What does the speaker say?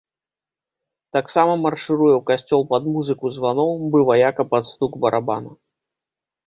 Таксама маршыруе ў касцёл пад музыку званоў, бы ваяка пад стук барабана.